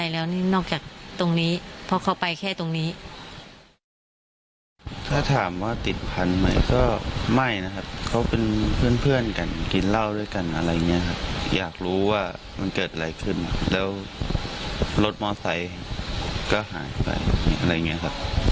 แล้วรถมอเตอร์ไซก็หายไปอะไรอย่างนี้ครับ